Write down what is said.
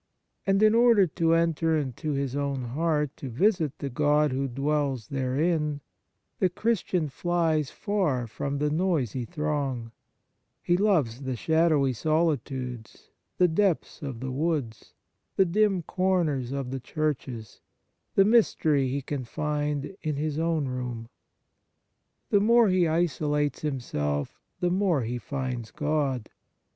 And in order to enter into his own heart to visit the God who dwells therein, the Christian flies far from the noisy throng ; he loves the shadowy solitudes, the depths of the woods, the dim corners of the churches, the mystery he can find in his own room. The more he isolates himself, the more he finds God.